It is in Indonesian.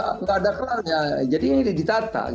tidak ada keranya jadi ini ditata